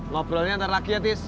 lobrolnya nanti lagi ya tis